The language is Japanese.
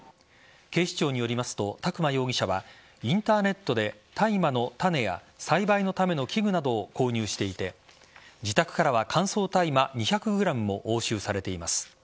警視庁によりますと宅間容疑者はインターネットで大麻の種や栽培のための器具などを購入していて自宅からは乾燥大麻２００ｇも押収されています。